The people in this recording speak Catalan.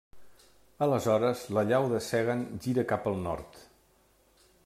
Aleshores, la llau de Segan gira cap al nord.